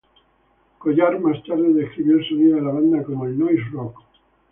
Collar más tarde describió el sonido de la banda como el noise rock.